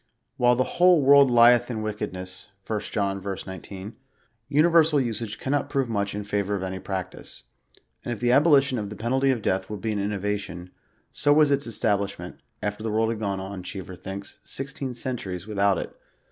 While *< the whole world lieth in wickedness," (1 John v. 19,) universal usage cannot prove much in favor of any practice. And if the abo lition of the penalty of death would be an innovation, so was its establishment, after the world had gone on, Cheever thinks, sixteen centuries without it.